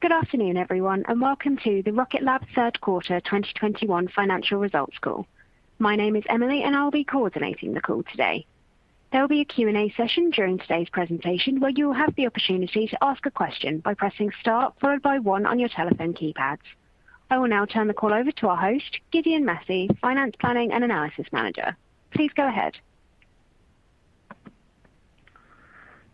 Good afternoon, everyone, and welcome to the Rocket Lab third quarter 2021 financial results call. My name is Emily, and I'll be coordinating the call today. There will be a Q&A session during today's presentation where you will have the opportunity to ask a question by pressing star followed by one on your telephone keypads. I will now turn the call over to our host, Gideon Massey, Financial Planning and Analysis Manager. Please go ahead.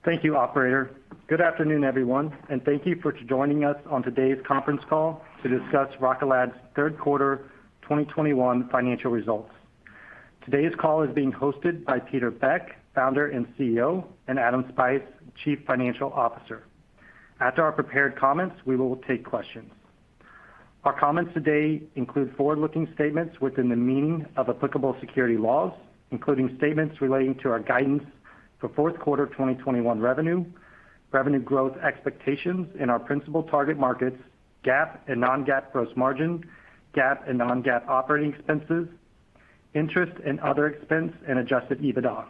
Thank you, operator. Good afternoon, everyone, and thank you for joining us on today's conference call to discuss Rocket Lab's third quarter 2021 financial results. Today's call is being hosted by Peter Beck, founder and CEO, and Adam Spice, Chief Financial Officer. After our prepared comments, we will take questions. Our comments today include forward-looking statements within the meaning of applicable securities laws, including statements relating to our guidance for fourth quarter 2021 revenue growth expectations in our principal target markets, GAAP and non-GAAP gross margin, GAAP and non-GAAP operating expenses, interest and other expense and adjusted EBITDA.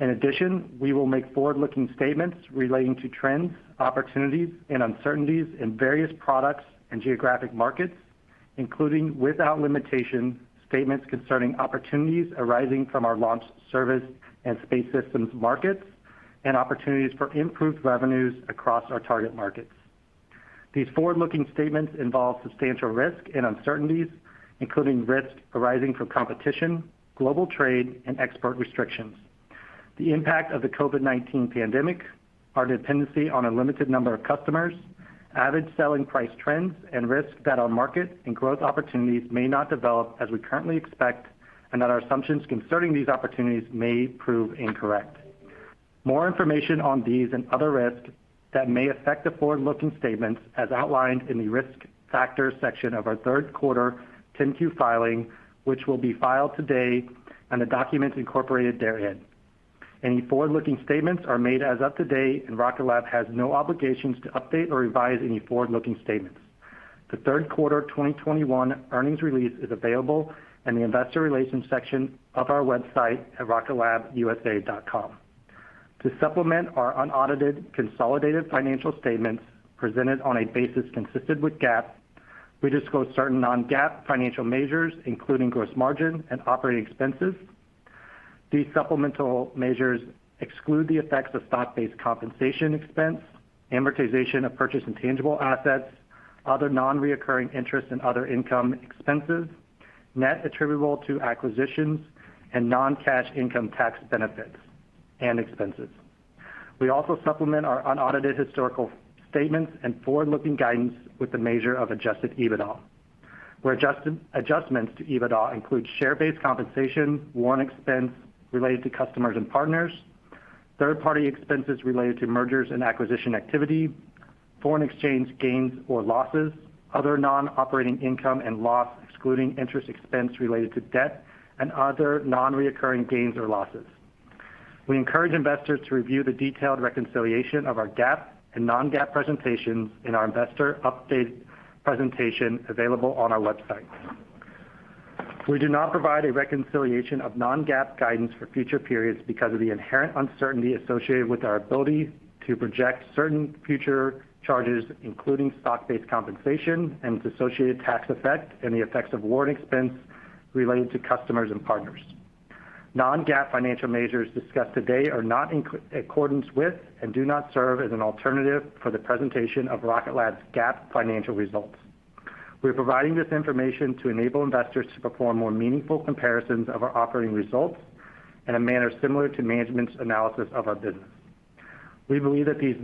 In addition, we will make forward-looking statements relating to trends, opportunities and uncertainties in various products and geographic markets, including without limitation, statements concerning opportunities arising from our Launch Services and Space Systems markets and opportunities for improved revenues across our target markets. These forward-looking statements involve substantial risk and uncertainties, including risks arising from competition, global trade, and export restrictions. The impact of the COVID-19 pandemic, our dependency on a limited number of customers, average selling price trends, and risks that our market and growth opportunities may not develop as we currently expect, and that our assumptions concerning these opportunities may prove incorrect. More information on these and other risks that may affect the forward-looking statements as outlined in the Risk Factors section of our third quarter 10-Q filing, which will be filed today and the documents incorporated therein. Any forward-looking statements are made as of today, and Rocket Lab has no obligations to update or revise any forward-looking statements. The third quarter 2021 earnings release is available in the investor relations section of our website at rocketlabusa.com. To supplement our unaudited consolidated financial statements presented on a basis consistent with GAAP, we disclose certain non-GAAP financial measures, including gross margin and operating expenses. These supplemental measures exclude the effects of stock-based compensation expense, amortization of purchased intangible assets, other non-recurring interest and other income expenses, net attributable to acquisitions and non-cash income tax benefits and expenses. We also supplement our unaudited historical statements and forward-looking guidance with the measure of adjusted EBITDA, where adjustments to EBITDA include share-based compensation, warrant expense related to customers and partners, third-party expenses related to mergers and acquisitions activity, foreign exchange gains or losses, other non-operating income and loss, excluding interest expense related to debt and other non-recurring gains or losses. We encourage investors to review the detailed reconciliation of our GAAP and non-GAAP presentations in our investor update presentation available on our website. We do not provide a reconciliation of non-GAAP guidance for future periods because of the inherent uncertainty associated with our ability to project certain future charges, including stock-based compensation and its associated tax effect and the effects of warrant expense related to customers and partners. Non-GAAP financial measures discussed today are not in accordance with and do not serve as an alternative for the presentation of Rocket Lab's GAAP financial results. We're providing this information to enable investors to perform more meaningful comparisons of our operating results in a manner similar to management's analysis of our business. We believe that these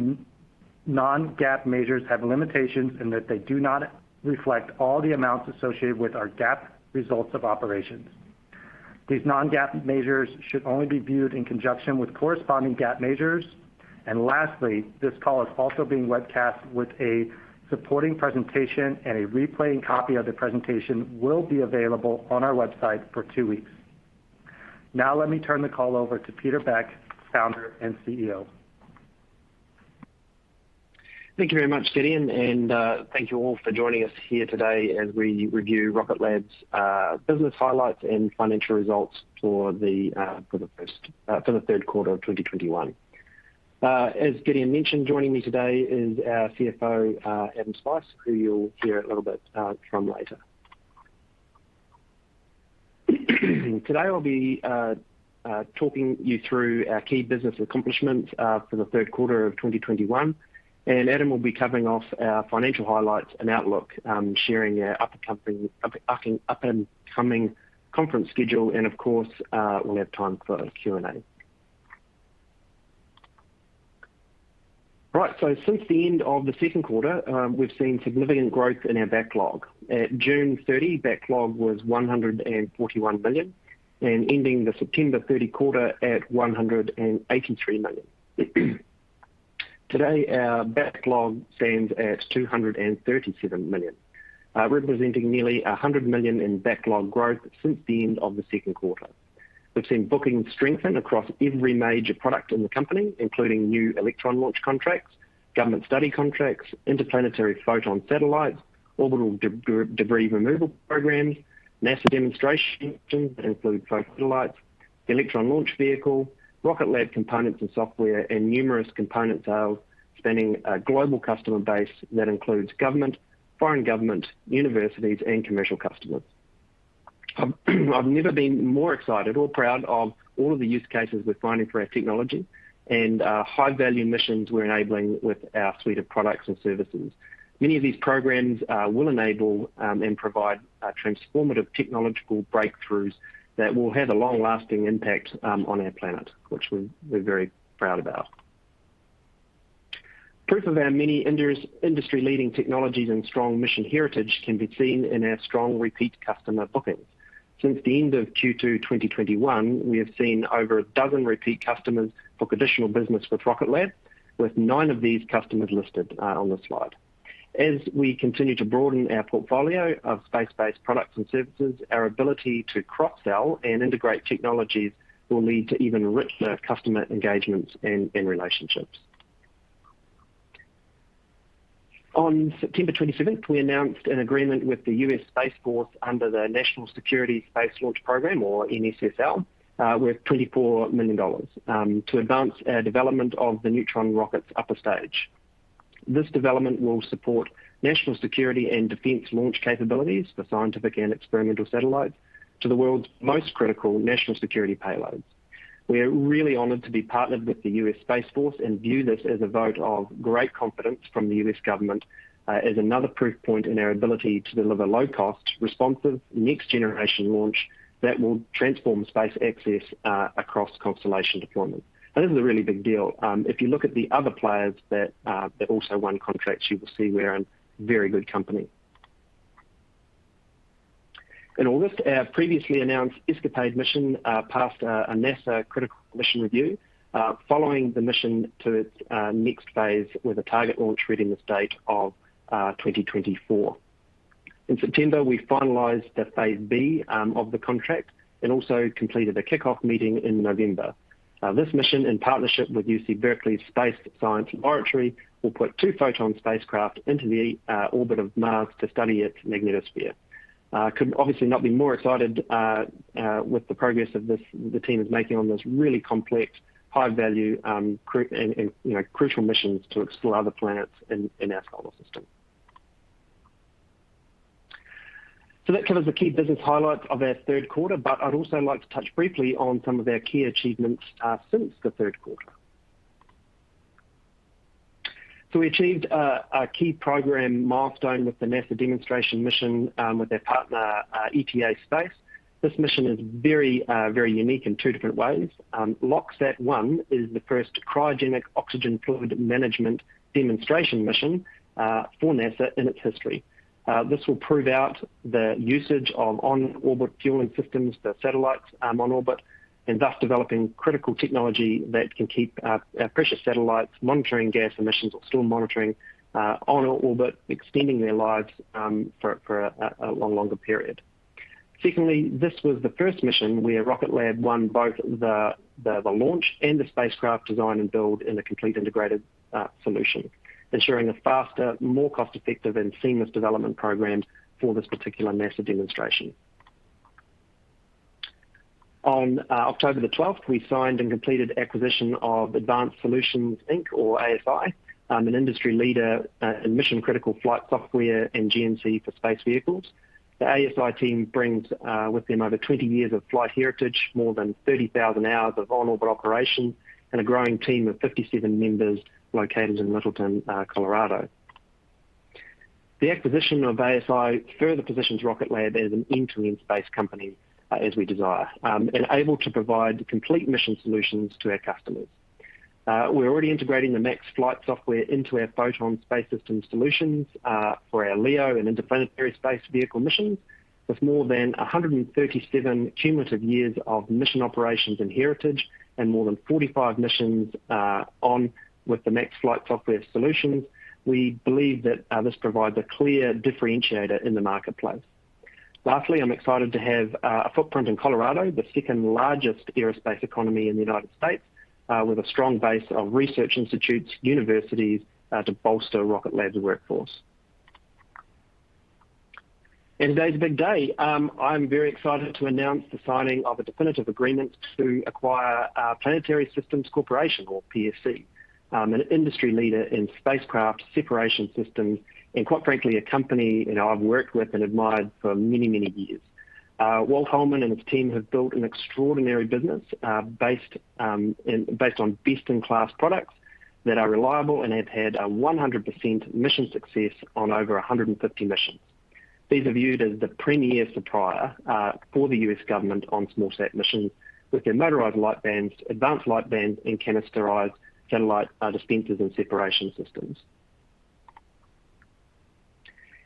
non-GAAP measures have limitations in that they do not reflect all the amounts associated with our GAAP results of operations. These non-GAAP measures should only be viewed in conjunction with corresponding GAAP measures. Lastly, this call is also being webcast with a supporting presentation, and a replay copy of the presentation will be available on our website for two weeks. Now let me turn the call over to Peter Beck, Founder and CEO. Thank you very much, Gideon, and thank you all for joining us here today as we review Rocket Lab's business highlights and financial results for the third quarter of 2021. As Gideon mentioned, joining me today is our CFO, Adam Spice, who you'll hear a little bit from later. Today, I'll be talking you through our key business accomplishments for the third quarter of 2021, and Adam will be covering off our financial highlights and outlook, sharing our up and coming conference schedule. Of course, we'll have time for Q&A. Right. Since the end of the second quarter, we've seen significant growth in our backlog. At June 30, backlog was $141 million, ending the September 30 quarter at $183 million. Today, our backlog stands at $237 million, representing nearly $100 million in backlog growth since the end of the second quarter. We've seen bookings strengthen across every major product in the company, including new Electron launch contracts, government study contracts, interplanetary Photon satellites, orbital debris removal programs, NASA demonstrations that include small satellites, Electron launch vehicle, Rocket Lab components and software, and numerous component sales spanning a global customer base that includes government, foreign government, universities and commercial customers. I've never been more excited or proud of all of the use cases we're finding for our technology and high value missions we're enabling with our suite of products and services. Many of these programs will enable and provide transformative technological breakthroughs that will have a long-lasting impact on our planet, which we're very proud about. Proof of our many industry-leading technologies and strong mission heritage can be seen in our strong repeat customer bookings. Since the end of Q2 2021, we have seen over a dozen repeat customers book additional business with Rocket Lab, with nine of these customers listed on this slide. As we continue to broaden our portfolio of space-based products and services, our ability to cross-sell and integrate technologies will lead to even richer customer engagements and relationships. On September 27th, we announced an agreement with the U.S. Space Force under the National Security Space Launch program or NSSL worth $24 million to advance our development of the Neutron rocket's upper stage. This development will support national security and defense launch capabilities for scientific and experimental satellites to the world's most critical national security payloads. We are really honored to be partnered with the U.S. Space Force and view this as a vote of great confidence from the U.S. government, as another proof point in our ability to deliver low cost, responsive, next generation launch that will transform space access, across constellation deployment. Now, this is a really big deal. If you look at the other players that also won contracts, you will see we're in very good company. In August, our previously announced ESCAPADE mission passed a NASA critical mission review, following the mission to its next phase with a target launch readiness date of 2024. In September, we finalized the phase B of the contract and also completed a kickoff meeting in November. This mission in partnership with UC Berkeley's Space Sciences Laboratory will put two Photon spacecraft into the orbit of Mars to study its magnetosphere. Could obviously not be more excited with the progress the team is making on this really complex, high-value, you know, crucial missions to explore other planets in our solar system. That covers the key business highlights of our third quarter, but I'd also like to touch briefly on some of our key achievements since the third quarter. We achieved a key program milestone with the NASA demonstration mission with our partner Eta Space. This mission is very very unique in two different ways. LOXSAT-1 is the first cryogenic oxygen fluid management demonstration mission for NASA in its history. This will prove out the usage of on-orbit fueling systems for satellites on orbit, and thus developing critical technology that can keep our precious satellites monitoring gas emissions or storm monitoring on orbit, extending their lives for a longer period. Secondly, this was the first mission where Rocket Lab won both the launch and the spacecraft design and build in a complete integrated solution, ensuring a faster, more cost-effective and seamless development program for this particular NASA demonstration. On October 12, we signed and completed acquisition of Advanced Solutions Inc. or ASI, an industry leader in mission-critical flight software and GNC for space vehicles. The ASI team brings with them over 20 years of flight heritage, more than 30,000 hours of on-orbit operation, and a growing team of 57 members located in Littleton, Colorado. The acquisition of ASI further positions Rocket Lab as an end-to-end space company as we desire and able to provide complete mission solutions to our customers. We're already integrating the MAX Flight Software into our Photon Space System Solutions for our LEO and interplanetary space vehicle missions. With more than 137 cumulative years of mission operations and heritage and more than 45 missions with the MAX Flight Software solutions, we believe that this provides a clear differentiator in the marketplace. Lastly, I'm excited to have a footprint in Colorado, the second-largest aerospace economy in the U.S., with a strong base of research institutes, universities, to bolster Rocket Lab's workforce. Today's a big day. I'm very excited to announce the signing of a definitive agreement to acquire Planetary Systems Corporation or PSC, an industry leader in spacecraft separation systems and, quite frankly, a company, you know, I've worked with and admired for many, many years. Walter Holemans and his team have built an extraordinary business, based on best-in-class products that are reliable and have had a 100% mission success on over 150 missions. These are viewed as the premier supplier for the U.S. government on smallsat missions with their Motorized Lightbands, Advanced Lightbands, and Canisterized Satellite Dispensers and separation systems.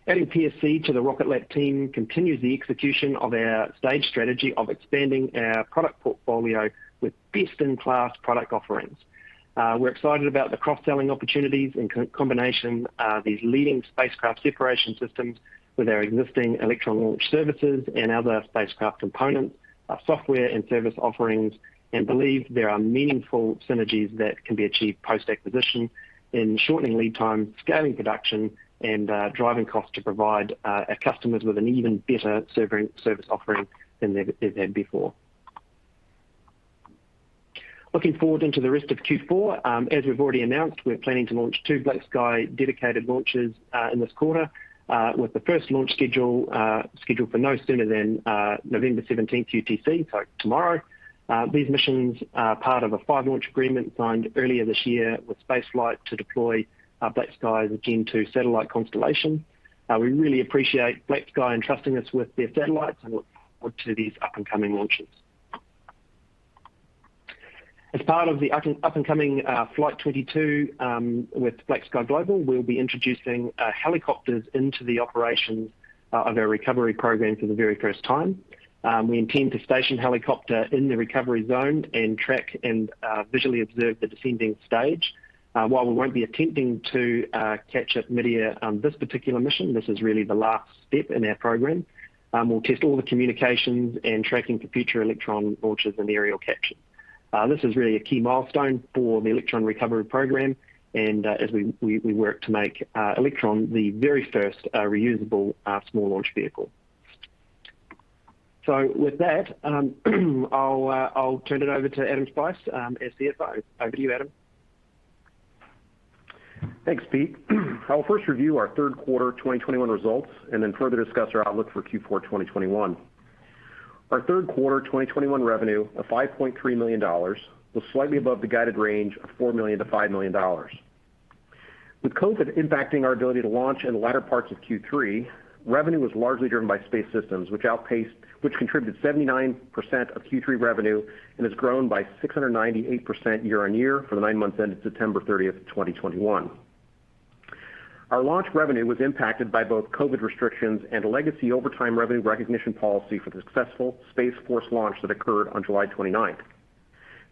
Adding PSC to the Rocket Lab team continues the execution of our stage strategy of expanding our product portfolio with best-in-class product offerings. We're excited about the cross-selling opportunities in combination with these leading spacecraft separation systems with our existing Electron launch services and other spacecraft components, software and service offerings, and believe there are meaningful synergies that can be achieved post-acquisition in shortening lead time, scaling production, and driving costs to provide our customers with an even better service offering than they've had before. Looking forward into the rest of Q4, as we've already announced, we're planning to launch two BlackSky dedicated launches in this quarter with the first launch scheduled for no sooner than November 17 UTC, so tomorrow. These missions are part of a five-launch agreement signed earlier this year with Spaceflight to deploy BlackSky's Gen-2 satellite constellation. We really appreciate BlackSky entrusting us with their satellites, and look forward to these up-and-coming launches. As part of the up-and-coming Flight 22 with BlackSky Global, we'll be introducing helicopters into the operations of our recovery program for the very first time. We intend to station a helicopter in the recovery zone and track and visually observe the descending stage. While we won't be attempting to catch at midair on this particular mission, this is really the last step in our program. We'll test all the communications and tracking for future Electron launches and aerial capture. This is really a key milestone for the Electron recovery program and, as we work to make Electron the very first reusable small launch vehicle. With that, I'll turn it over to Adam Spice, as CFO. Over to you, Adam. Thanks, Pete. I'll first review our Q3 2021 results and then further discuss our outlook for Q4 2021. Our Q3 2021 revenue of $5.3 million was slightly above the guided range of $4 million-$5 million. With COVID impacting our ability to launch in the latter parts of Q3, revenue was largely driven by Space Systems, which contributed 79% of Q3 revenue and has grown by 698% year-on-year for the nine months ended September 30, 2021. Our launch revenue was impacted by both COVID restrictions and a legacy over time revenue recognition policy for the successful Space Force launch that occurred on July 29.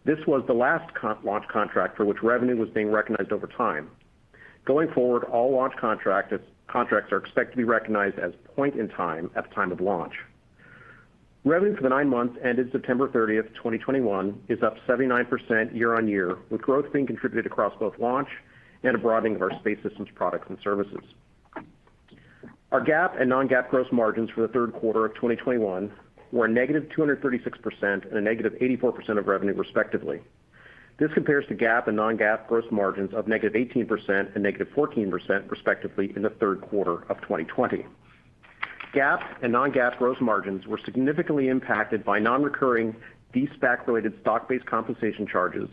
This was the last con-launch contract for which revenue was being recognized over time. Going forward, all launch contracts are expected to be recognized as point in time at the time of launch. Revenue for the nine months ended September 30, 2021 is up 79% year-on-year, with growth being contributed across both launch and a broadening of our Space Systems products and services. Our GAAP and non-GAAP gross margins for the third quarter of 2021 were a negative 236% and a negative 84% of revenue respectively. This compares to GAAP and non-GAAP gross margins of negative 18% and negative 14% respectively in the third quarter of 2020. GAAP and non-GAAP gross margins were significantly impacted by non-recurring de-SPAC-related stock-based compensation charges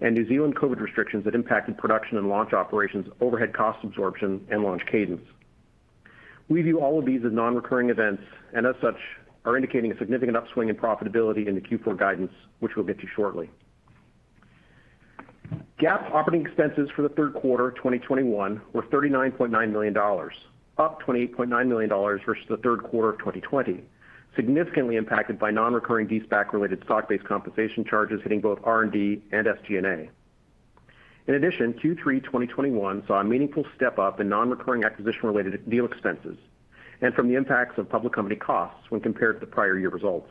and New Zealand COVID restrictions that impacted production and launch operations, overhead cost absorption, and launch cadence. We view all of these as non-recurring events and as such are indicating a significant upswing in profitability in the Q4 guidance, which we'll get to shortly. GAAP operating expenses for the third quarter of 2021 were $39.9 million, up $28.9 million versus the third quarter of 2020, significantly impacted by non-recurring de-SPAC-related stock-based compensation charges hitting both R&D and SG&A. In addition, Q3 2021 saw a meaningful step-up in non-recurring acquisition-related deal expenses and from the impacts of public company costs when compared to the prior year results.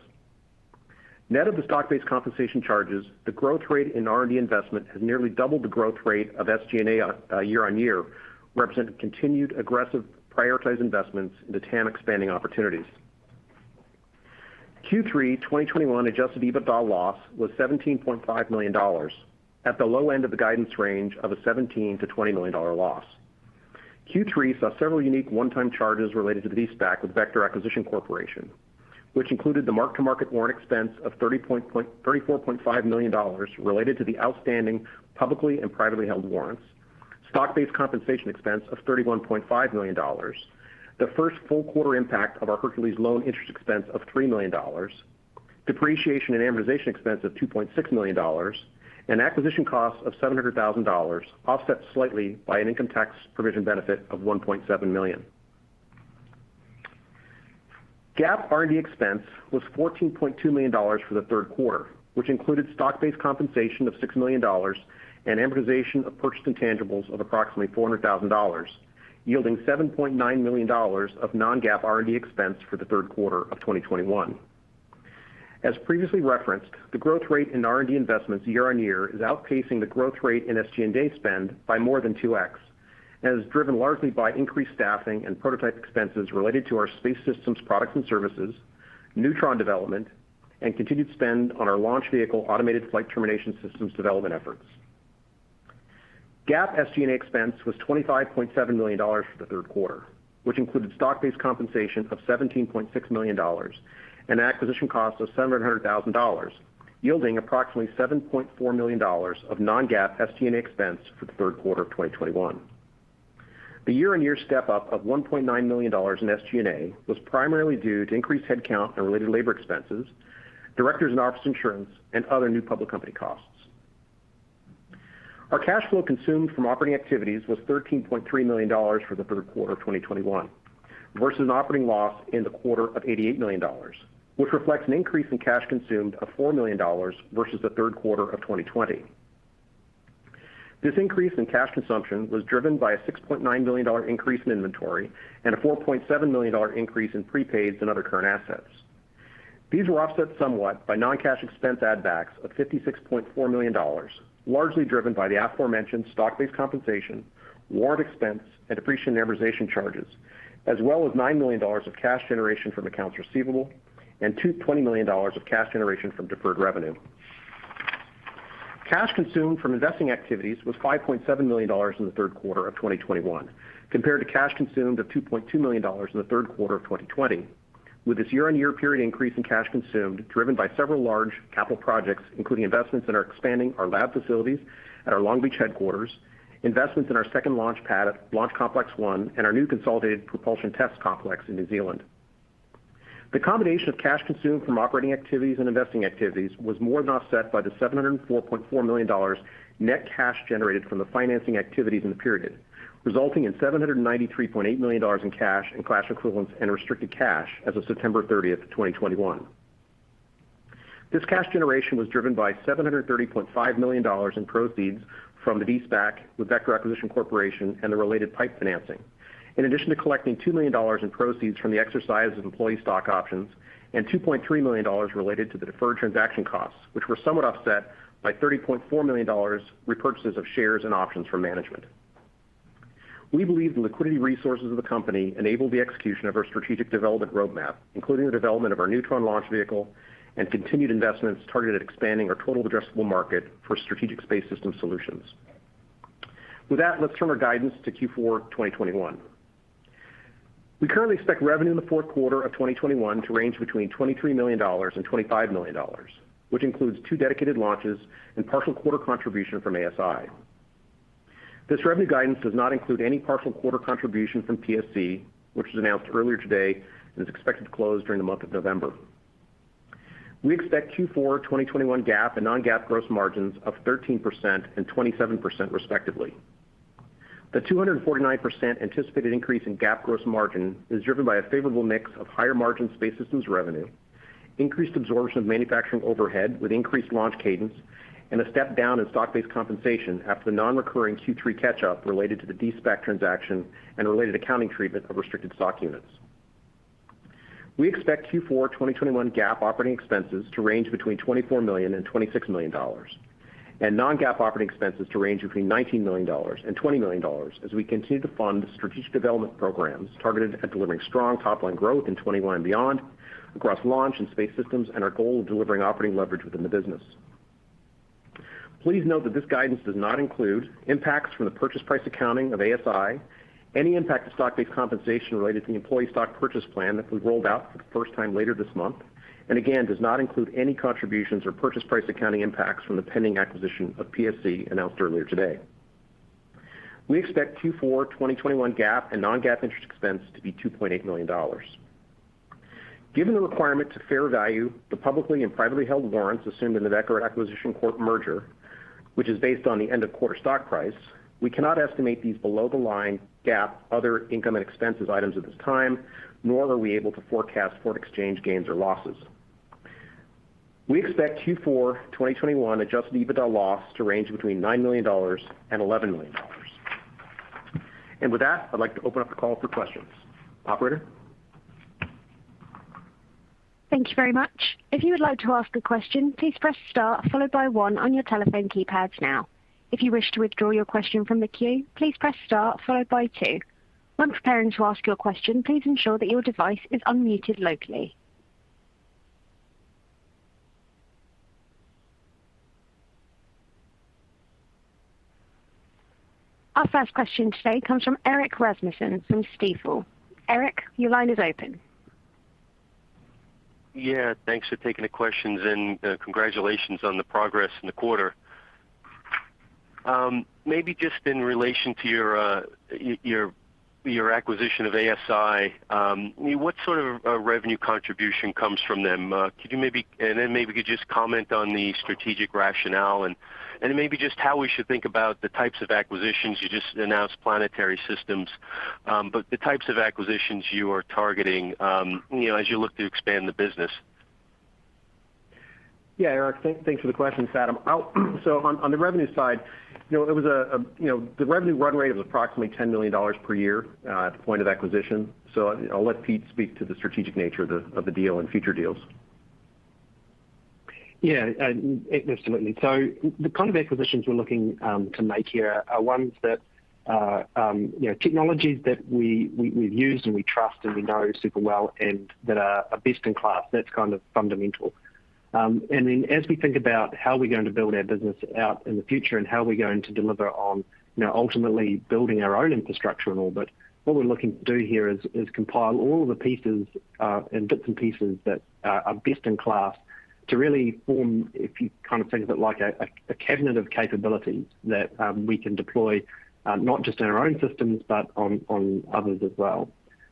Net of the stock-based compensation charges, the growth rate in R&D investment has nearly doubled the growth rate of SG&A, year-on-year, representing continued aggressive prioritized investments in the TAM expanding opportunities. Q3 2021 adjusted EBITDA loss was $17.5 million at the low end of the guidance range of a $17 million-$20 million loss. Q3 saw several unique one-time charges related to the de-SPAC with Vector Acquisition Corporation, which included the mark-to-market warrant expense of $34.5 million related to the outstanding publicly and privately held warrants, stock-based compensation expense of $31.5 million, the first full quarter impact of our Hercules loan interest expense of $3 million, depreciation and amortization expense of $2.6 million, and acquisition costs of $700,000, offset slightly by an income tax provision benefit of $1.7 million. GAAP R&D expense was $14.2 million for the third quarter, which included stock-based compensation of $6 million and amortization of purchased intangibles of approximately $400,000, yielding $7.9 million of non-GAAP R&D expense for the third quarter of 2021. As previously referenced, the growth rate in R&D investments year-on-year is outpacing the growth rate in SG&A spend by more than 2x, and is driven largely by increased staffing and prototype expenses related to our Space Systems products and services, Neutron development, and continued spend on our launch vehicle automated flight termination systems development efforts. GAAP SG&A expense was $25.7 million for the third quarter, which included stock-based compensation of $17.6 million and acquisition costs of $700,000, yielding approximately $7.4 million of non-GAAP SG&A expense for the third quarter of 2021. The year-on-year step up of $1.9 million in SG&A was primarily due to increased headcount and related labor expenses, directors and office insurance, and other new public company costs. Our cash flow consumed from operating activities was $13.3 million for the third quarter of 2021 versus an operating loss in the quarter of $88 million, which reflects an increase in cash consumed of $4 million versus the third quarter of 2020. This increase in cash consumption was driven by a $6.9 billion increase in inventory and a $4.7 million increase in prepaids and other current assets. These were offset somewhat by non-cash expense add backs of $56.4 million, largely driven by the aforementioned stock-based compensation, warrant expense and depreciation charges, as well as $9 million of cash generation from accounts receivable and $220 million of cash generation from deferred revenue. Cash consumed from investing activities was $5.7 million in the third quarter of 2021, compared to cash consumed of $2.2 million in the third quarter of 2020. With this year-on-year period increase in cash consumed, driven by several large capital projects, including investments that are expanding our lab facilities at our Long Beach headquarters, investments in our second launch pad at Launch Complex 1 and our new consolidated propulsion test complex in New Zealand. The combination of cash consumed from operating activities and investing activities was more than offset by the $704.4 million net cash generated from the financing activities in the period, resulting in $793.8 million in cash and cash equivalents and restricted cash as of September 30, 2021. This cash generation was driven by $730.5 million in proceeds from the de-SPAC with Vector Acquisition Corporation and the related PIPE financing. In addition to collecting $2 million in proceeds from the exercise of employee stock options and $2.3 million related to the deferred transaction costs, which were somewhat offset by $30.4 million repurchases of shares and options from management. We believe the liquidity resources of the company enable the execution of our strategic development roadmap, including the development of our Neutron launch vehicle and continued investments targeted at expanding our total addressable market for strategic space system solutions. With that, let's turn our guidance to Q4 2021. We currently expect revenue in the fourth quarter of 2021 to range between $23 million and $25 million, which includes two dedicated launches and partial quarter contribution from ASI. This revenue guidance does not include any partial quarter contribution from PSC, which was announced earlier today and is expected to close during the month of November. We expect Q4 2021 GAAP and non-GAAP gross margins of 13% and 27% respectively. The 249% anticipated increase in GAAP gross margin is driven by a favorable mix of higher margin Space Systems revenue, increased absorption of manufacturing overhead with increased launch cadence, and a step down in stock-based compensation after the non-recurring Q3 catch-up related to the de-SPAC transaction and related accounting treatment of restricted stock units. We expect Q4 2021 GAAP operating expenses to range between $24 million and $26 million, and non-GAAP operating expenses to range between $19 million and $20 million as we continue to fund strategic development programs targeted at delivering strong top-line growth in 2021 and beyond across Launch Services and Space Systems and our goal of delivering operating leverage within the business. Please note that this guidance does not include impacts from the purchase price accounting of ASI, any impact of stock-based compensation related to the employee stock purchase plan that we've rolled out for the first time later this month, and again, does not include any contributions or purchase price accounting impacts from the pending acquisition of PSC announced earlier today. We expect Q4 2021 GAAP and non-GAAP interest expense to be $2.8 million. Given the requirement to fair value the publicly and privately held warrants assumed in the Vector Acquisition Corp merger, which is based on the end of quarter stock price, we cannot estimate these below-the-line GAAP other income and expenses items at this time, nor are we able to forecast foreign exchange gains or losses. We expect Q4 2021 adjusted EBITDA loss to range between $9 million and $11 million. With that, I'd like to open up the call for questions. Operator? Thank you very much. Our first question today comes from Erik Rasmussen from Stifel. Erik, your line is open. Yeah, thanks for taking the questions and congratulations on the progress in the quarter. Maybe just in relation to your your acquisition of ASI, what sort of revenue contribution comes from them? Maybe you could just comment on the strategic rationale and maybe just how we should think about the types of acquisitions. You just announced Planetary Systems, the types of acquisitions you are targeting, you know, as you look to expand the business. Yeah, Erik, thanks for the question. On the revenue side, you know, it was, you know, the revenue run rate was approximately $10 million per year at the point of acquisition. I'll let Pete speak to the strategic nature of the deal and future deals. Yeah, absolutely. The kind of acquisitions we're looking to make here are ones that are, you know, technologies that we've used and we trust and we know super well and that are best in class. That's kind of fundamental. As we think about how we're going to build our business out in the future and how we're going to deliver on, you know, ultimately building our own infrastructure and all, but what we're looking to do here is compile all of the pieces and bits and pieces that are best in class to really form, if you kind of think of it like a cabinet of capabilities that we can deploy, not just in our own systems, but on others as well.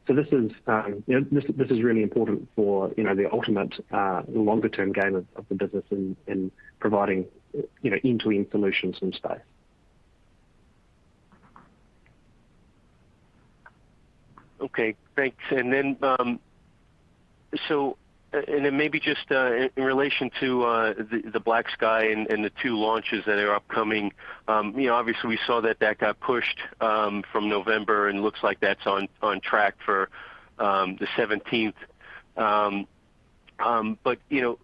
This is really important for, you know, the ultimate longer term game of the business in providing, you know, end-to-end solutions in space. Okay, thanks. In relation to the BlackSky and the two launches that are upcoming, you know, obviously we saw that got pushed from November and looks like that's on track for the 17th. But you know,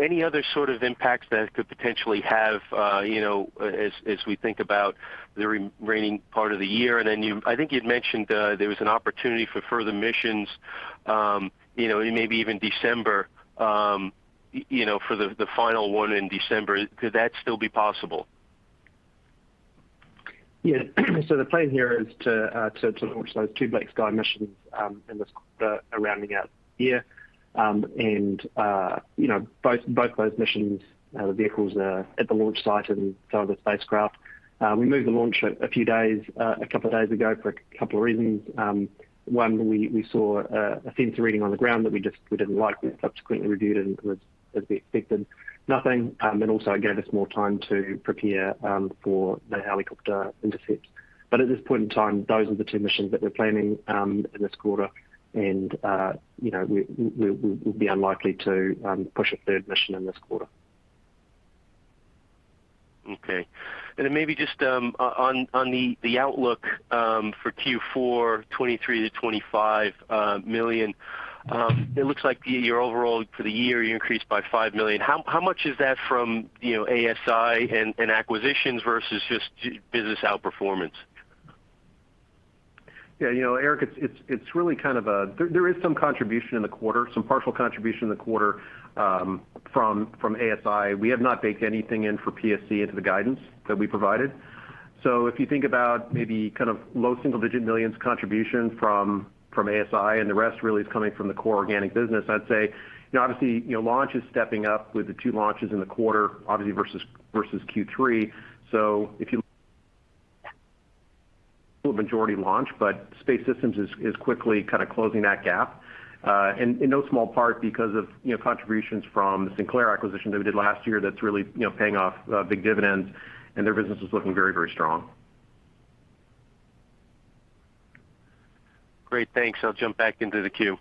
any other sort of impacts that could potentially have as we think about the remaining part of the year? I think you'd mentioned there was an opportunity for further missions, you know, maybe even December, you know, for the final one in December. Could that still be possible? The plan here is to launch those two BlackSky missions in this quarter, end of the year. You know, both those missions, the vehicles are at the launch site and so are the spacecraft. We moved the launch a couple of days ago for a couple of reasons. One, we saw a sensor reading on the ground that we just didn't like. We subsequently reviewed it and it was, as we expected, nothing. Also, it gave us more time to prepare for the helicopter intercept. At this point in time, those are the two missions that we're planning in this quarter. You know, we'll be unlikely to push a third mission in this quarter. Maybe just on the outlook for Q4 $23 million-$25 million. It looks like year-over-year for the year, you increased by $5 million. How much is that from, you know, ASI and acquisitions versus just business outperformance? Yeah, you know, Erik, it's really kind of a partial contribution in the quarter from ASI. We have not baked anything in for PSC into the guidance that we provided. If you think about maybe kind of low single-digit millions dollar contribution from ASI, and the rest really is coming from the core organic business, I'd say, you know, obviously, you know, launch is stepping up with the two launches in the quarter, obviously, versus Q3. It's majority launch, but Space Systems is quickly kinda closing that gap in no small part because of, you know, contributions from the Sinclair acquisition that we did last year that's really, you know, paying off big dividends, and their business is looking very strong. Great. Thanks. I'll jump back into the queue.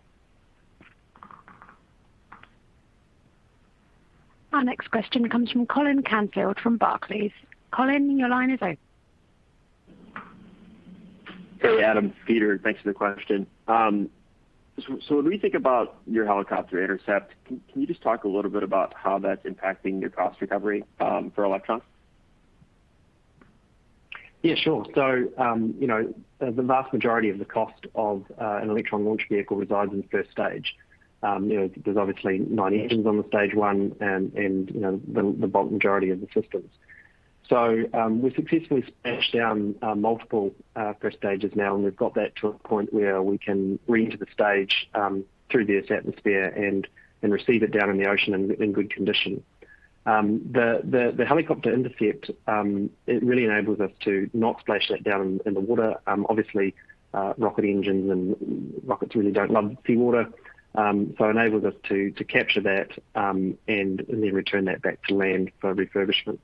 Our next question comes from Colin Canfield from Barclays. Colin, your line is open. Hey, Adam, Peter. Thanks for the question. When we think about your helicopter intercept, can you just talk a little bit about how that's impacting your cost recovery for Electron? Yeah, sure. You know, the vast majority of the cost of an Electron launch vehicle resides in the first stage. You know, there's obviously nine engines on the stage one and you know, the bulk majority of the systems. We've successfully splashed down multiple first stages now, and we've got that to a point where we can reenter the stage through the Earth's atmosphere and receive it down in the ocean in good condition. The helicopter intercept, it really enables us to not splash that down in the water. Obviously, rocket engines and rockets really don't love seawater. It enables us to capture that and then return that back to land for refurbishment.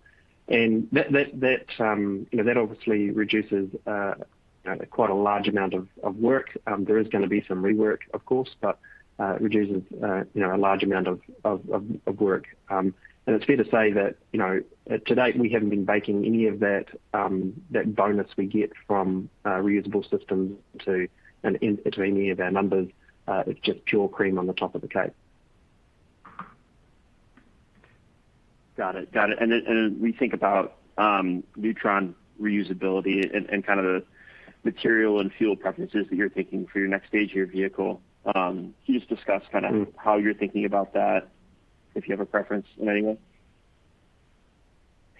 That obviously reduces, you know, quite a large amount of work. There is gonna be some rework, of course, but it reduces, you know, a large amount of work. It's fair to say that, you know, to date, we haven't been baking any of that bonus we get from reusable systems into any of our numbers. It's just pure cream on the top of the cake. Got it. We think about Neutron reusability and kind of the material and fuel preferences that you're taking for your next stage of your vehicle. Can you just discuss kinda-. Mm-hmm. How you're thinking about that, if you have a preference in any way?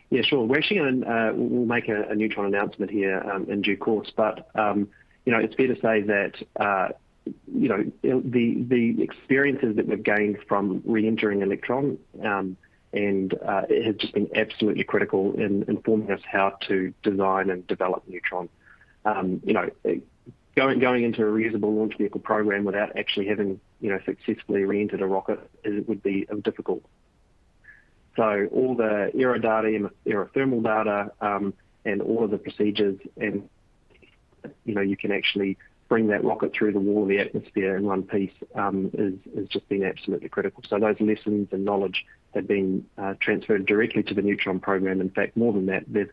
Yeah, sure. We're actually gonna make a Neutron announcement here in due course. You know, it's fair to say that the experiences that we've gained from reentering Electron and it has just been absolutely critical in informing us how to design and develop Neutron. You know, going into a reusable launch vehicle program without actually having successfully reentered a rocket would be difficult. All the aerodata and aerothermal data and all of the procedures and you know, you can actually bring that rocket through the wall of the atmosphere in one piece is just been absolutely critical. Those lessons and knowledge have been transferred directly to the Neutron program. In fact, more than that, the...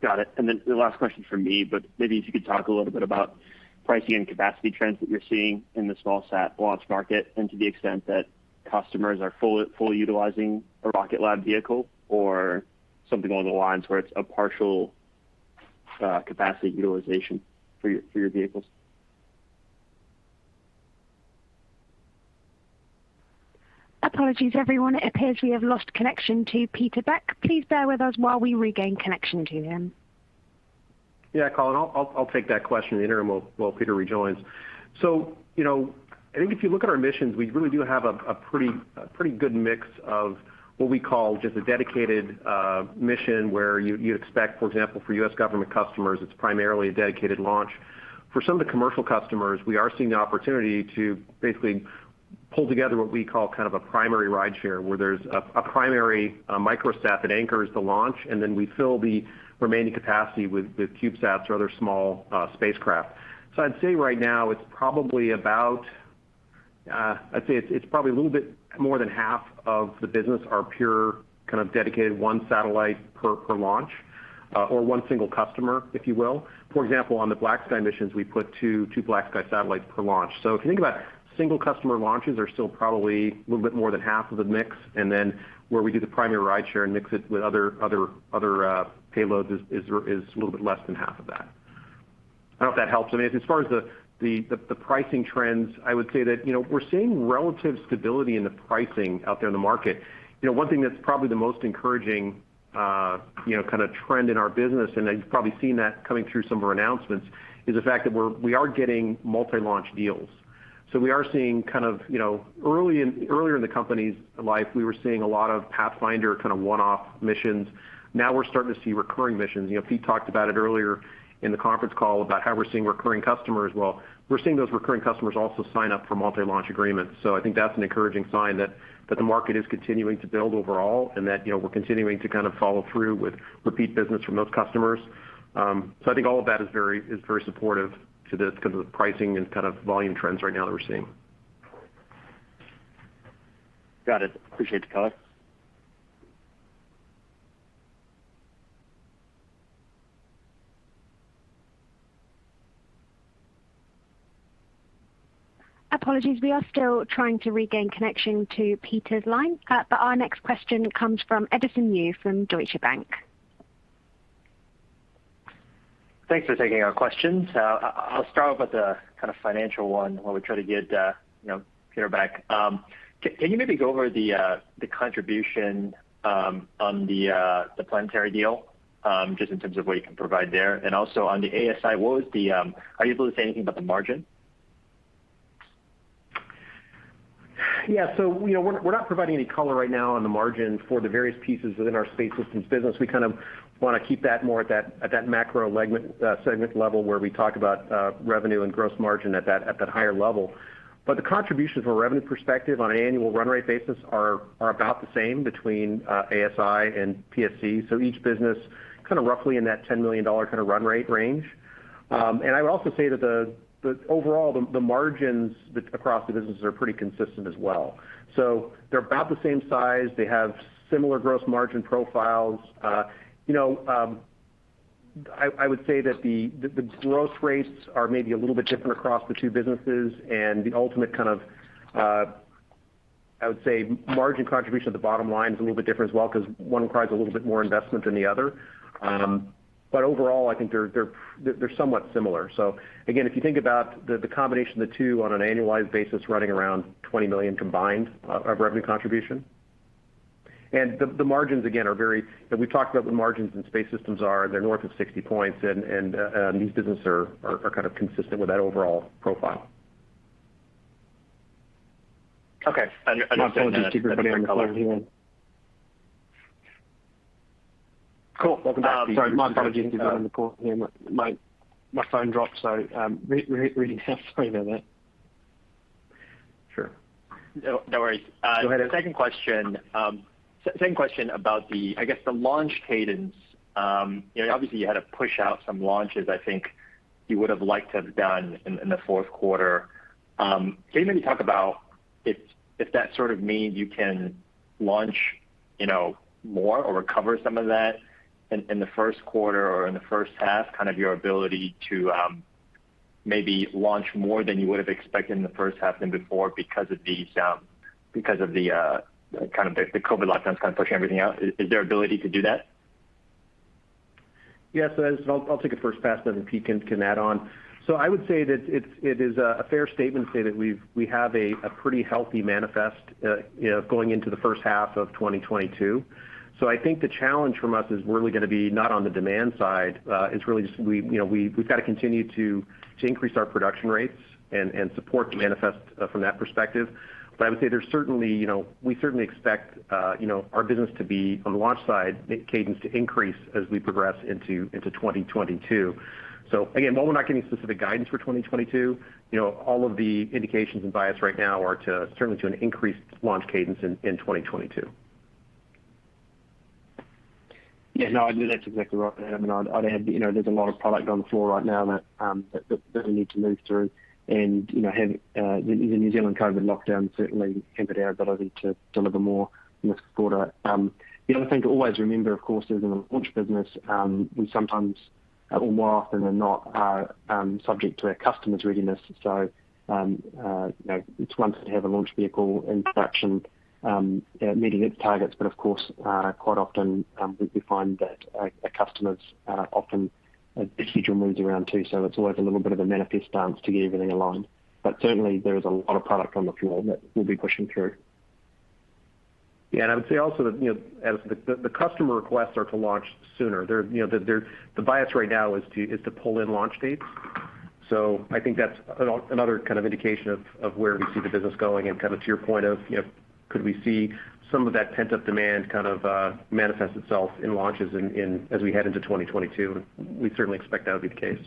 Got it. The last question from me, but maybe if you could talk a little bit about pricing and capacity trends that you're seeing in the smallsat launch market, and to the extent that customers are fully utilizing a Rocket Lab vehicle or something along the lines where it's a partial capacity utilization for your vehicles. Apologies, everyone. It appears we have lost connection to Peter Beck. Please bear with us while we regain connection to him. Yeah, Colin, I'll take that question in the interim while Peter rejoins. You know, I think if you look at our missions, we really do have a pretty good mix of what we call just a dedicated mission where you'd expect, for example, for U.S. government customers, it's primarily a dedicated launch. For some of the commercial customers, we are seeing the opportunity to basically pull together what we call kind of a primary rideshare, where there's a primary micro sat that anchors the launch, and then we fill the remaining capacity with CubeSats or other small spacecraft. I'd say right now, it's probably a little bit more than half of the business are pure kind of dedicated one satellite per launch or one single customer, if you will. For example, on the BlackSky missions, we put two BlackSky satellites per launch. If you think about single customer launches are still probably a little bit more than half of the mix, and then where we do the primary rideshare and mix it with other payloads is a little bit less than half of that. I don't know if that helps. I mean, as far as the pricing trends, I would say that, you know, we're seeing relative stability in the pricing out there in the market. You know, one thing that's probably the most encouraging, you know, kind of trend in our business, and you've probably seen that coming through some of our announcements, is the fact that we are getting multi-launch deals. We are seeing kind of, you know, earlier in the company's life, we were seeing a lot of pathfinder kind of one-off missions. Now we're starting to see recurring missions. You know, Pete talked about it earlier in the conference call about how we're seeing recurring customers. Well, we're seeing those recurring customers also sign up for multi-launch agreements. I think that's an encouraging sign that the market is continuing to build overall and that, you know, we're continuing to kind of follow through with repeat business from those customers. I think all of that is very supportive to this because of the pricing and kind of volume trends right now that we're seeing. Got it. Appreciate the color. Apologies. We are still trying to regain connection to Peter's line. Our next question comes from Edison Yu from Deutsche Bank. Thanks for taking our questions. I'll start with the kind of financial one while we try to get you know, Peter back. Can you maybe go over the contribution on the Planetary deal just in terms of what you can provide there? Also on the ASI, are you able to say anything about the margin? Yeah. You know, we're not providing any color right now on the margin for the various pieces within our Space Systems business. We kind of wanna keep that more at that macro segment level where we talk about revenue and gross margin at that higher level. The contributions from a revenue perspective on an annual run rate basis are about the same between ASI and PSC. Each business kind of roughly in that $10 million kind of run rate range. I would also say that the overall margins across the businesses are pretty consistent as well. They're about the same size. They have similar gross margin profiles. You know, I would say that the growth rates are maybe a little bit different across the two businesses and the ultimate kind of, I would say margin contribution at the bottom line is a little bit different as well because one requires a little bit more investment than the other. Overall, I think they're somewhat similar. Again, if you think about the combination of the two on an annualized basis running around $20 million combined of revenue contribution. The margins, again, are very. We've talked about the margins in Space Systems. They're north of 60%, and these businesses are kind of consistent with that overall profile. Okay. Just one minute. My apologies to everybody on the call here. Cool. Welcome back, Peter. Sorry. My apologies if you were on the call. My phone dropped, so, really sorry about that. Sure. No, no worries. Go ahead. The second question about the, I guess, the launch cadence. You know, obviously you had to push out some launches I think you would have liked to have done in the fourth quarter. Can you maybe talk about if that sort of means you can launch, you know, more or recover some of that in the first quarter or in the first half, kind of your ability to maybe launch more than you would have expected in the first half than before because of the COVID lockdowns kind of pushing everything out. Is there ability to do that? Yes. I'll take it first pass, then if Pete can add on. I would say that it is a fair statement to say that we have a pretty healthy manifest, you know, going into the first half of 2022. I think the challenge for us is really gonna be not on the demand side. It's really just we, you know, we've got to continue to increase our production rates and support the manifest from that perspective. I would say there's certainly, you know, we certainly expect, you know, our business to be on the launch side cadence to increase as we progress into 2022. Again, while we're not giving specific guidance for 2022, you know, all of the indications and bias right now are certainly to an increased launch cadence in 2022. Yeah. No, I think that's exactly right. I mean, I'd add, you know, there's a lot of product on the floor right now that we need to move through and, you know, the New Zealand COVID lockdown certainly hampered our ability to deliver more in this quarter. The other thing to always remember, of course, is in the launch business, we sometimes or more often than not are subject to our customers' readiness. You know, it's one thing to have a launch vehicle in production, you know, meeting its targets. Of course, quite often, we find that our customers' schedules often move around too. It's always a little bit of a manifest dance to get everything aligned. Certainly, there is a lot of product on the floor that we'll be pushing through. I would say also that, you know, as the customer requests are to launch sooner. The bias right now is to pull in launch dates. I think that's another kind of indication of where we see the business going. Kind of to your point, could we see some of that pent-up demand kind of manifest itself in launches as we head into 2022? We certainly expect that would be the case.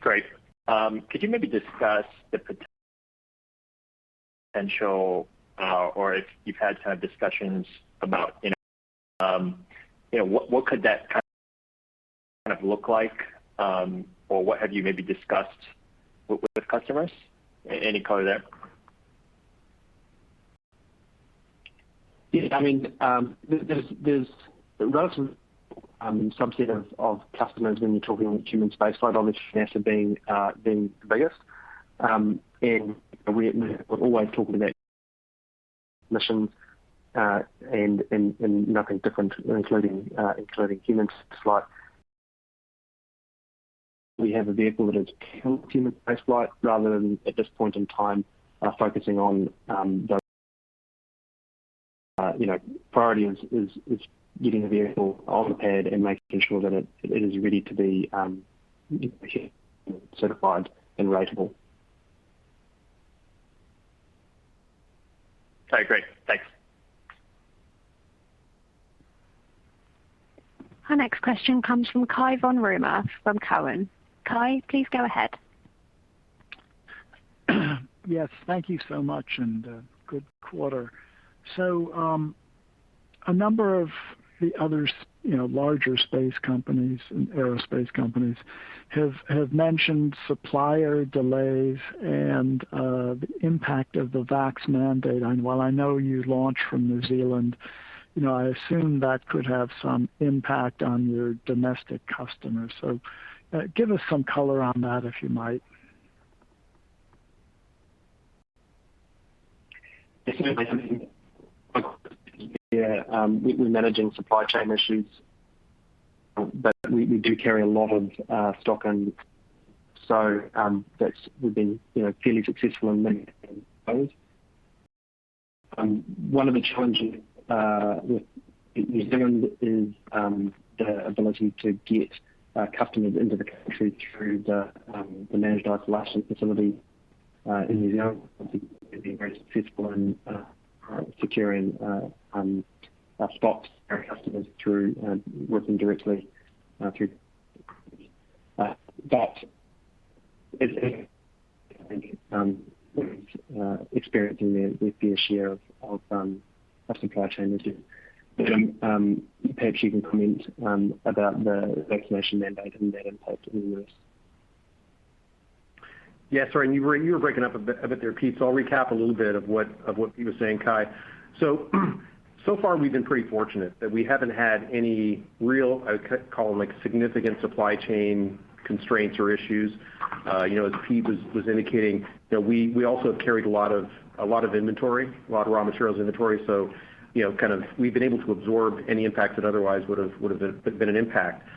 Great. Could you maybe discuss the potential, or if you've had kind of discussions about, you know, what could that kind of look like, or what have you maybe discussed with customers? Any color there? Yeah, I mean, there's a relative subset of customers when you're talking human space flight, obviously NASA being the biggest. We're always talking about missions and nothing different, including human flight. We have a vehicle that is human space flight rather than at this point in time focusing on those, you know, priority is getting the vehicle off the pad and making sure that it is ready to be certified and reliable. Okay, great. Thanks. Our next question comes from Cai von Rumohr from Cowen. Cai, please go ahead. Yes, thank you so much, and good quarter. A number of the other, you know, larger space companies and aerospace companies have mentioned supplier delays and the impact of the vax mandate. While I know you launch from New Zealand, you know, I assume that could have some impact on your domestic customers. Give us some color on that, if you might. Certainly, I mean, yeah, we're managing supply chain issues, but we do carry a lot of stock, and so we've been, you know, fairly successful in managing those. One of the challenges with New Zealand is the ability to get customers into the country through the managed isolation facility in New Zealand. Obviously, we've been very successful in securing spots for customers through working directly through. That is experiencing their fair share of supply chain issues. Perhaps you can comment about the vaccination mandate and that impact on the U.S. Yeah. Sorry. You were breaking up a bit there, Pete, so I'll recap a little bit of what Pete was saying, Cai. So far we've been pretty fortunate that we haven't had any real, I would call them, like significant supply chain constraints or issues. You know, as Pete was indicating, you know, we also have carried a lot of inventory, a lot of raw materials inventory. You know, kind of we've been able to absorb any impact that otherwise would've been an impact.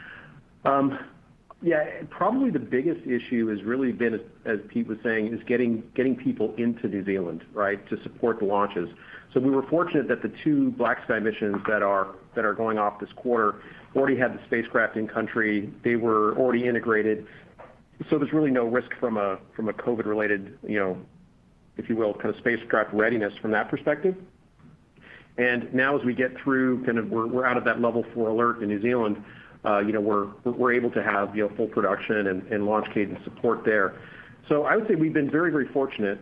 Yeah, probably the biggest issue has really been, as Pete was saying, is getting people into New Zealand, right, to support the launches. We were fortunate that the two BlackSky missions that are going off this quarter already had the spacecraft in country. They were already integrated, so there's really no risk from a COVID-related, you know, if you will, kind of spacecraft readiness from that perspective. Now as we get through kind of we're out of that level 4 alert in New Zealand, you know, we're able to have you know, full production and launch cadence support there. I would say we've been very, very fortunate.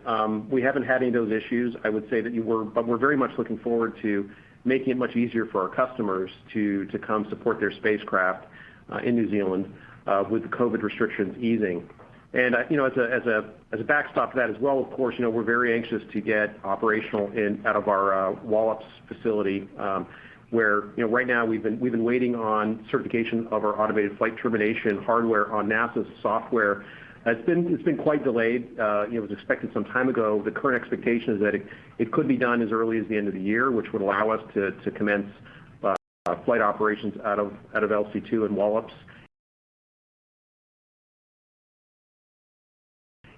We haven't had any of those issues. We're very much looking forward to making it much easier for our customers to come support their spacecraft in New Zealand with the COVID restrictions easing. You know, as a backstop to that as well, of course, you know, we're very anxious to get operational out of our Wallops facility, where, you know, right now we've been waiting on certification of our automated flight termination hardware on NASA's software. It's been quite delayed. It was expected some time ago. The current expectation is that it could be done as early as the end of the year, which would allow us to commence flight operations out of LC-2 in Wallops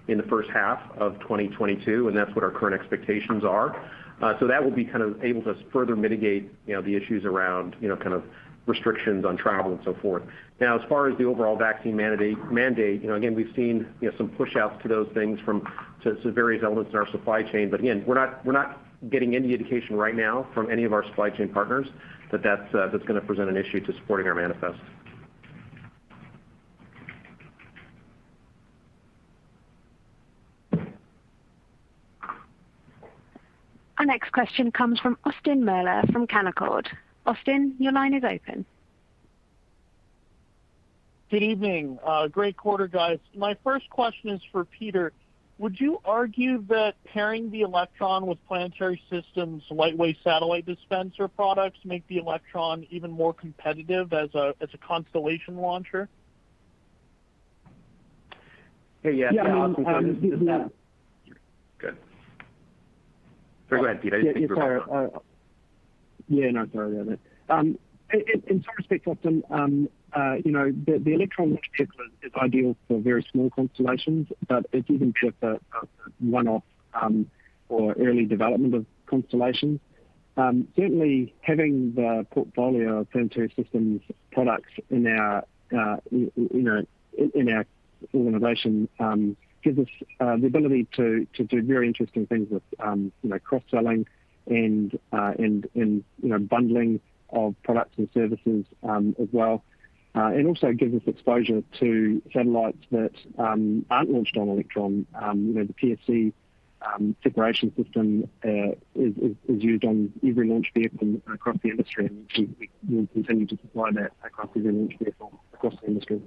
in the first half of 2022, and that's what our current expectations are. So that will be kind of able to further mitigate, you know, the issues around, you know, kind of restrictions on travel and so forth. Now, as far as the overall vaccine mandate, you know, again, we've seen, you know, some pushouts to those things from to various elements in our supply chain. We're not getting any indication right now from any of our supply chain partners that that's gonna present an issue to supporting our manifest. Our next question comes from Austin Moeller from Canaccord. Austin, your line is open. Good evening. Great quarter, guys. My first question is for Peter. Would you argue that pairing the Electron with Planetary Systems lightweight satellite dispenser products make the Electron even more competitive as a constellation launcher? Yeah. Yeah. Yeah. Good. Sorry, go ahead, Pete. I didn't mean to cut you off. Yeah, no, sorry about that. In some respects, Austin, you know, the Electron launch vehicle is ideal for very small constellations, but it's even good for one-off or early development of constellations. Certainly having the portfolio of Planetary Systems products in our organization gives us the ability to do very interesting things with you know, cross-selling and you know, bundling of products and services as well. It also gives us exposure to satellites that aren't launched on Electron. You know, the PSC separation system is used on every launch vehicle across the industry, and we will continue to supply that across every launch vehicle across the industry.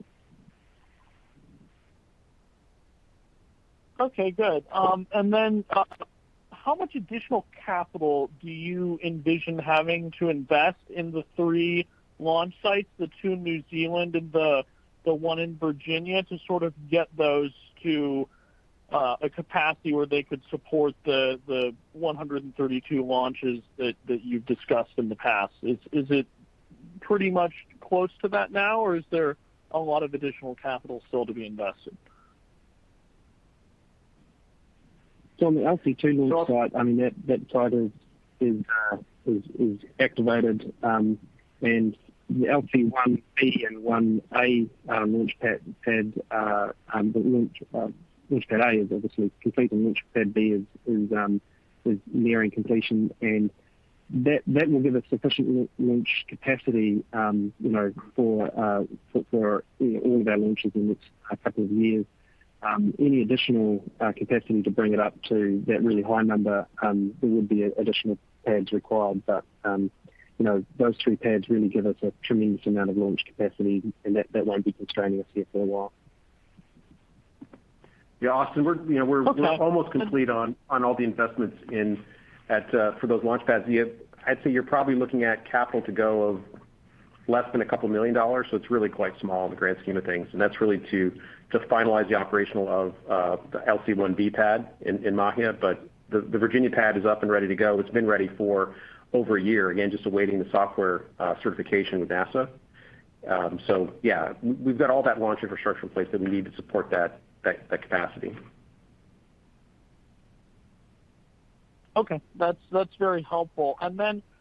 Okay, good. How much additional capital do you envision having to invest in the three launch sites, the two in New Zealand and the one in Virginia, to sort of get those to a capacity where they could support the 132 launches that you've discussed in the past? Is it pretty much close to that now, or is there a lot of additional capital still to be invested? On the LC-2 launch site, I mean, that site is activated. The LC-1B and 1A Launch Pad A is obviously complete and Launch Pad B is nearing completion. That will give us sufficient launch capacity, you know, for all of our launches in the next couple of years. Any additional capacity to bring it up to that really high number, there would be additional pads required. You know, those two pads really give us a tremendous amount of launch capacity, and that won't be constraining us here for a while. Yeah, Austin, we're, you know. Okay. We're almost complete on all the investments for those launch pads. I'd say you're probably looking at capital to go of less than $2 million. It's really quite small in the grand scheme of things. That's really to finalize the operations of the LC-1B pad in Mahia. The Virginia pad is up and ready to go. It's been ready for over a year. Again, just awaiting the software certification with NASA. We've got all that launch infrastructure in place that we need to support that capacity. Okay. That's very helpful. Like the Russians, like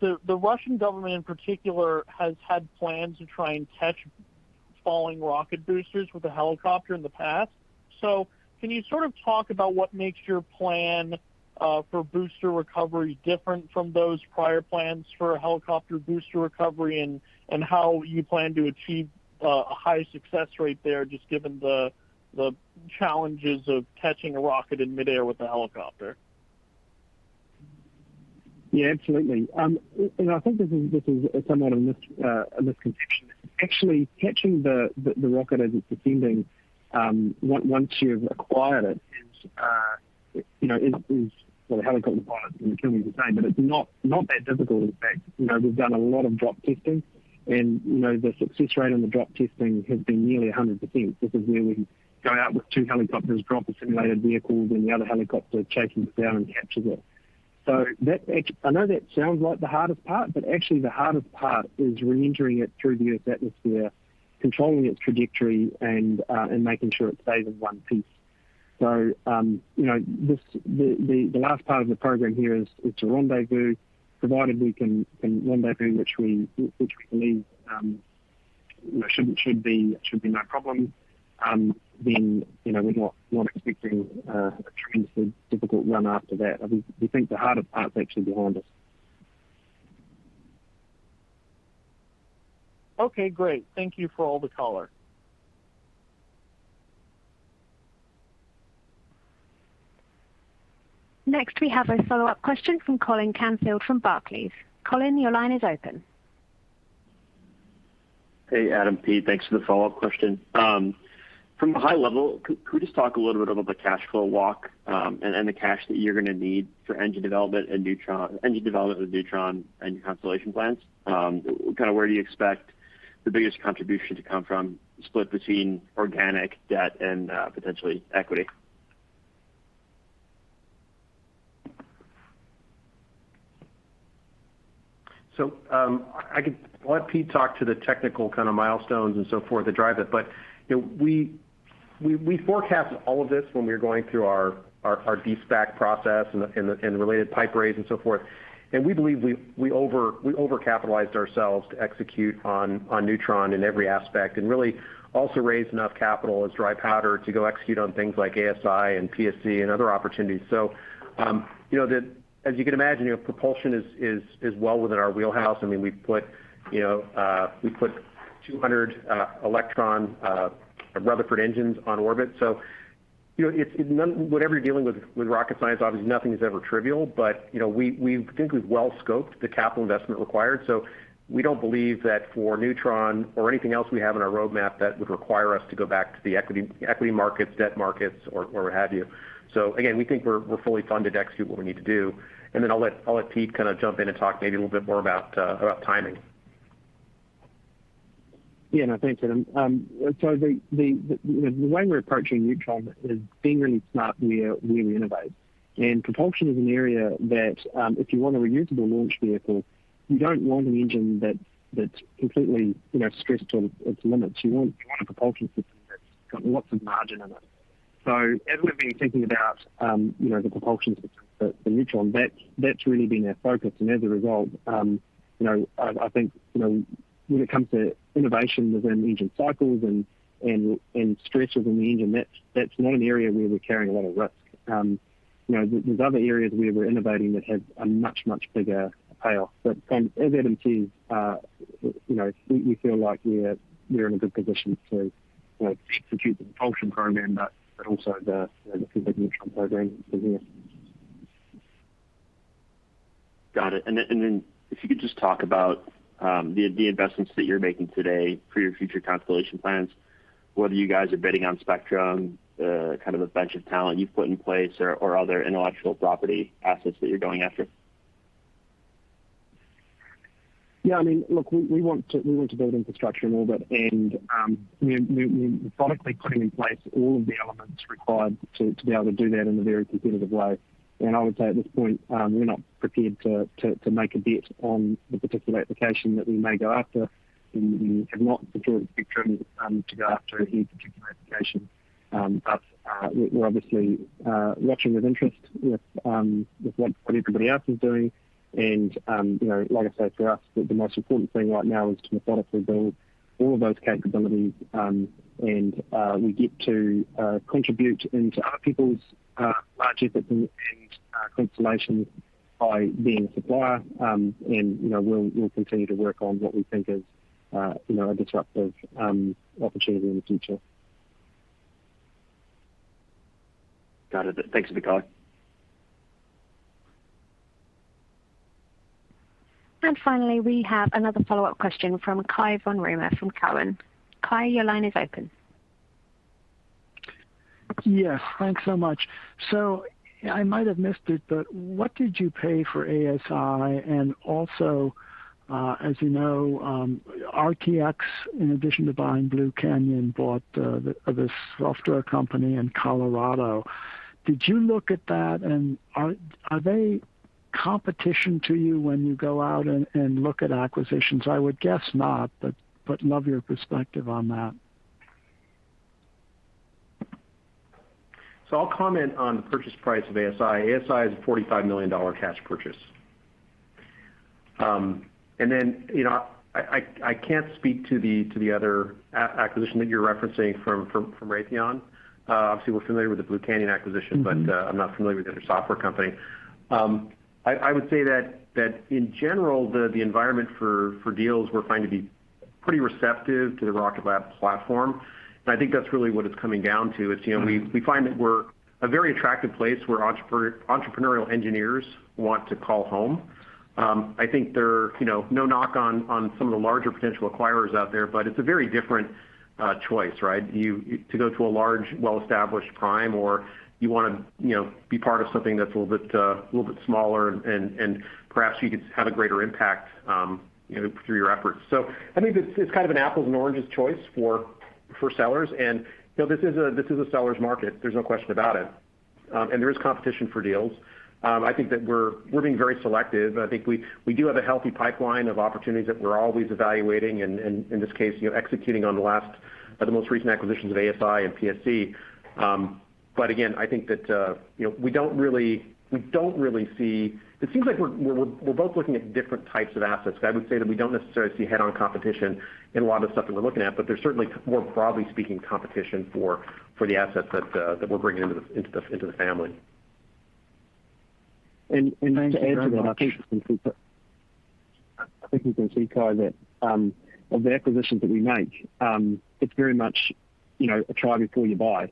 the Russian government in particular has had plans to try and catch falling rocket boosters with a helicopter in the past. Can you sort of talk about what makes your plan for booster recovery different from those prior plans for a helicopter booster recovery and how you plan to achieve a high success rate there, just given the challenges of catching a rocket in midair with a helicopter? Yeah, absolutely. I think this is somewhat a misconception. Actually catching the rocket as it's descending, once you've acquired it is, you know, is. Well, the helicopter pilot will kill me for saying, but it's not that difficult. In fact, you know, we've done a lot of drop testing and, you know, the success rate on the drop testing has been nearly 100%. This is where we go out with two helicopters, drop a simulated vehicle, then the other helicopter chases it down and captures it. I know that sounds like the hardest part, but actually the hardest part is reentering it through the Earth's atmosphere, controlling its trajectory, and making sure it stays in one piece. You know, this, the last part of the program here is to rendezvous. Provided we can rendezvous, which we believe you know should be no problem, then you know, we're not expecting a tremendously difficult run after that. I mean, we think the hardest part's actually behind us. Okay, great. Thank you for all the color. Next, we have a follow-up question from Colin Canfield from Barclays. Colin, your line is open. Hey, Adam, Pete. Thanks for the follow-up question. From a high level, could you just talk a little bit about the cash flow walk, and the cash that you're gonna need for engine development with Neutron and your constellation plans? Kinda where do you expect the biggest contribution to come from, split between organic debt and potentially equity? I'll let Pete talk to the technical kinda milestones and so forth that drive it. You know, we forecasted all of this when we were going through our de-SPAC process and the related PIPE raise and so forth. We believe we overcapitalized ourselves to execute on Neutron in every aspect, and really also raise enough capital as dry powder to go execute on things like ASI and PSC and other opportunities. As you can imagine, you know, propulsion is well within our wheelhouse. I mean, we've put you know 200 Electron Rutherford engines on orbit. Whenever you're dealing with rocket science, obviously nothing is ever trivial. You know, we think we've well scoped the capital investment required. We don't believe that for Neutron or anything else we have in our roadmap that would require us to go back to the equity markets, debt markets or what have you. Again, we think we're fully funded to execute what we need to do. Then I'll let Pete kinda jump in and talk maybe a little bit more about timing. Yeah. No, thanks, Adam. So the you know, the way we're approaching Neutron is being really smart where we innovate. Propulsion is an area that if you want a reusable launch vehicle, you don't want an engine that's completely you know, stressed to its limits. You want a propulsion system that's got lots of margin in it. As we've been thinking about you know, the propulsion system for Neutron, that's really been our focus. As a result you know, I think you know, when it comes to innovation within engine cycles and and stresses in the engine, that's not an area where we're carrying a lot of risk. You know, there's other areas where we're innovating that have a much bigger payoff. As Adam says, you know, we feel like we're in a good position to, you know, execute the propulsion program, but also the, you know, the conventional program for this. Got it. If you could just talk about the investments that you're making today for your future constellation plans, whether you guys are bidding on spectrum, kind of a bench of talent you've put in place or other intellectual property assets that you're going after. Yeah, I mean, look, we want to build infrastructure in orbit, and we're methodically putting in place all of the elements required to be able to do that in a very competitive way. I would say at this point, we're not prepared to make a bet on the particular application that we may go after. We have not secured spectrum to go after any particular application. We're obviously watching with interest with what everybody else is doing. You know, like I say, for us, the most important thing right now is to methodically build all of those capabilities. We get to contribute into other people's large efforts in constellation by being a supplier. You know, we'll continue to work on what we think is, you know, a disruptive opportunity in the future. Got it. Thanks. Finally, we have another follow-up question from Cai von Rumohr from Cowen. Cai, your line is open. Yes, thanks so much. I might have missed it, but what did you pay for ASI? And also, as you know, RTX, in addition to buying Blue Canyon, bought this software company in Colorado. Did you look at that? And are they competition to you when you go out and look at acquisitions? I would guess not, but love your perspective on that. I'll comment on the purchase price of ASI. ASI is a $45 million cash purchase. I can't speak to the other acquisition that you're referencing from Raytheon. Obviously, we're familiar with the Blue Canyon acquisition. Mm-hmm. I'm not familiar with the other software company. I would say that in general, the environment for deals we're finding to be pretty receptive to the Rocket Lab platform. I think that's really what it's coming down to, is, you know. We find that we're a very attractive place where entrepreneurial engineers want to call home. I think there, you know, no knock on some of the larger potential acquirers out there, but it's a very different choice, right? To go to a large, well-established prime, or you wanna, you know, be part of something that's a little bit smaller and perhaps you could have a greater impact, you know, through your efforts. I think it's kind of an apples and oranges choice for sellers. You know, this is a seller's market, there's no question about it. There is competition for deals. I think that we're being very selective. I think we do have a healthy pipeline of opportunities that we're always evaluating and in this case, you know, executing on the most recent acquisitions of ASI and PSC. Again, I think that, you know, we don't really see. It seems like we're both looking at different types of assets. I would say that we don't necessarily see head-on competition in a lot of the stuff that we're looking at, but there's certainly, more broadly speaking, competition for the assets that we're bringing into the family. To add to that. Thanks very much. I think you can see, Cai, that of the acquisitions that we make, it's very much, you know, a try before you buy.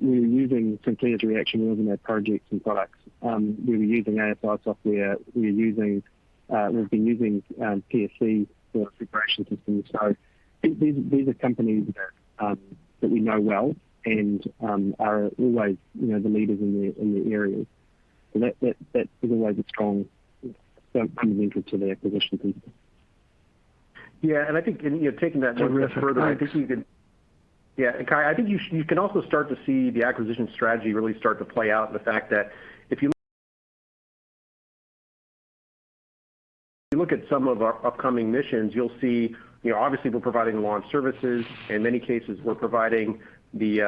We were using Sinclair's reaction wheels in our projects and products. We were using ASI software. We were using, we've been using PSC for separation systems. These are companies that we know well and are always, you know, the leaders in their areas. That is always a strong component to the acquisition piece. Yeah. I think, you know, taking that a step further. I think you can. Yeah. Cai, I think you can also start to see the acquisition strategy really start to play out in the fact that if you look at some of our upcoming missions, you'll see, you know, obviously we're providing launch services. In many cases, we're providing the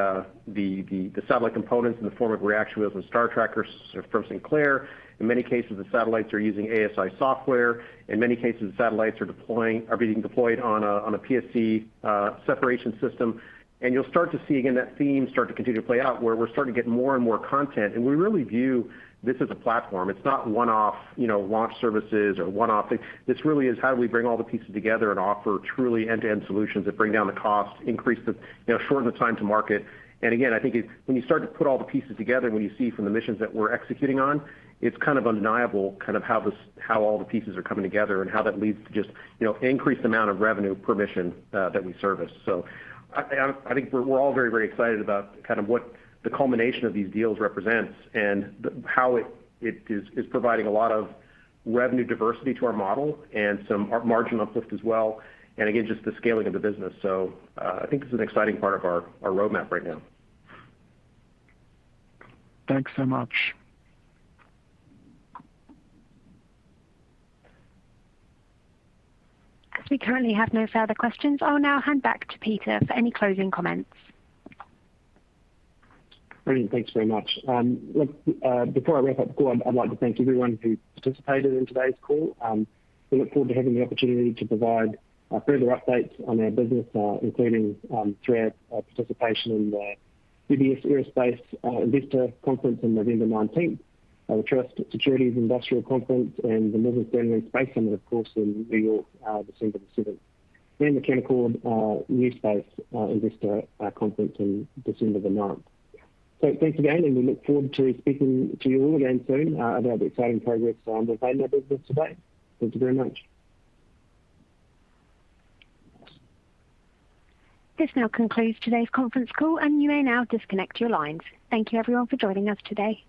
satellite components in the form of reaction wheels and star trackers from Sinclair. In many cases, the satellites are using ASI software. In many cases, the satellites are being deployed on a PSC separation system. You'll start to see, again, that theme start to continue to play out, where we're starting to get more and more content. We really view this as a platform. It's not one-off, you know, launch services or one-off th... This really is how do we bring all the pieces together and offer truly end-to-end solutions that bring down the cost, increase the, you know, shorten the time to market. Again, I think it, when you start to put all the pieces together, when you see from the missions that we're executing on, it's kind of undeniable kind of how this, how all the pieces are coming together and how that leads to just, you know, increased amount of revenue per mission that we service. I think we're all very, very excited about kind of what the culmination of these deals represents and how it is providing a lot of revenue diversity to our model and some margin uplift as well, and again, just the scaling of the business. I think this is an exciting part of our roadmap right now. Thanks so much. As we currently have no further questions, I'll now hand back to Peter for any closing comments. Brilliant. Thanks very much. Look, before I wrap up, I'd like to thank everyone who participated in today's call. We look forward to having the opportunity to provide further updates on our business, including through our participation in the UBS Aerospace Investor Conference on November 19, the Truist Securities Industrial Conference, and the Morgan Stanley Space Summit, of course, in New York, December 7, and the Canaccord NewSpace Investor Conference on December 9. Thanks again, and we look forward to speaking to you all again soon about the exciting progress we've had in our business to date. Thank you very much. This now concludes today's conference call, and you may now disconnect your lines. Thank you, everyone, for joining us today.